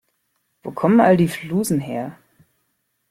Wo kommen all die Flusen her?